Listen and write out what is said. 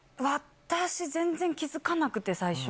私、全然気付かなくて、最初。